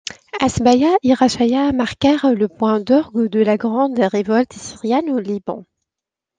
Hasbaïa et Rachaya marquèrent le point d'orgue de la grande révolte syrienne au Liban.